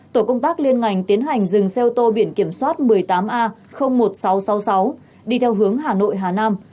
tổ công tác liên ngành tiến hành dừng xe ô tô biển kiểm soát một mươi tám a một nghìn sáu trăm sáu mươi sáu đi theo hướng hà nội hà nam